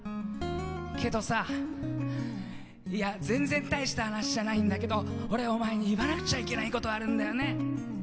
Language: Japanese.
けどさ、いや、全然大した話じゃないんだけど俺お前に言わなくちゃいけないことあるんだよね。